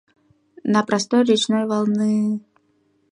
На простор речной волны-ы...